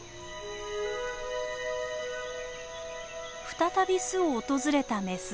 再び巣を訪れたメス。